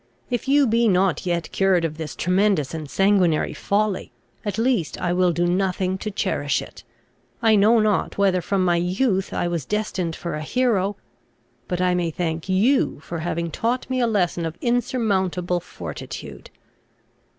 If you be not yet cured of this tremendous and sanguinary folly, at least I will do nothing to cherish it. I know not whether from my youth I was destined for a hero; but I may thank you for having taught me a lesson of insurmountable fortitude.